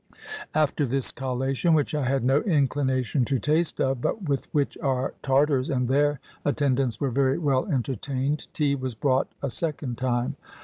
After this collation, which I had no inclination to taste of, but with which our Tartars and their attend ants were very well entertained, tea was brought a second time.